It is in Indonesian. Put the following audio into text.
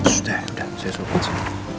sudah udah saya suruh baca